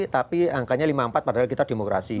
tapi angkanya lima puluh empat padahal kita demokrasi